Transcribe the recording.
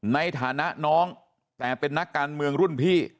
ในฐานะน้องแต่เป็นนักการเมืองรุ่นพี่